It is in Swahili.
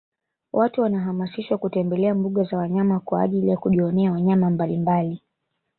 Watu wanahamasishwa kutembelea mbuga za wanyama kwaajili ya kujionea wanyama mbalimbali